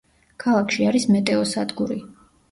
ქალაქში არის მეტეოსადგური.